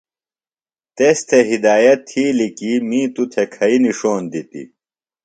تس تھےۡ ہدایت تِھیلیۡ کی می توۡ تھےۡ کھئی نِݜوݨ دِتیۡ۔